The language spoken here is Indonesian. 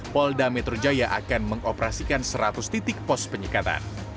polda metro jaya akan mengoperasikan seratus titik pos penyekatan